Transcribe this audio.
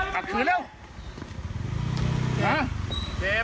ขับขืนเร็ว